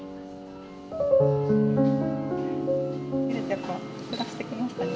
やっぱりふっくらしてきましたね